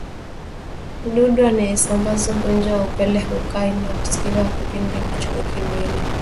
Mdudu anayesambaza ugonjwa wa upele hukaaa eneo husika kwa kipindi cha wiki mbili